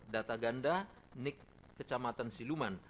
data ganda nik kecamatan siluman